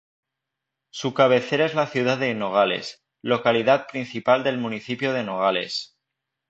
Su cabecera es la ciudad de Nogales, localidad principal del municipio de Nogales.